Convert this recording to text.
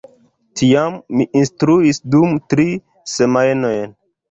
Tiam mi instruis dum tri semajnoj.